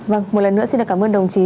vâng một lần nữa xin cảm ơn đồng chí